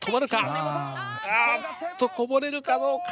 ああっとこぼれるかどうか。